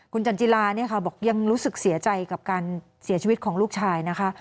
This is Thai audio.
คุณจันจิลาเนี่ยค่ะบอกยังรู้สึกเสียใจกับการเสียชีวิตของลูกชายนะคะ